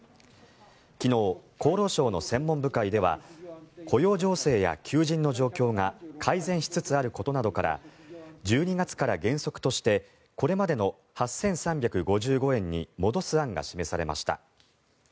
昨日、厚労省の専門部会では雇用情勢や求人の状況が改善しつつあることなどから１２月から原則としてこれまでの８３５５円に戻す案が示されました。